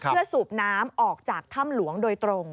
เพื่อสูบน้ำออกจากถ้ำหลวงโดยตรง